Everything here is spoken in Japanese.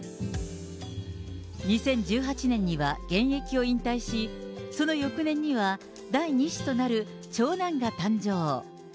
２０１８年には現役を引退し、その翌年には、第２子となる長男が誕生。